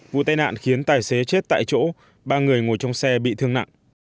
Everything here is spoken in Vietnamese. vụ tai nạn khiến tài xế chết tại chỗ ba người ngồi trong xe bị thương nặng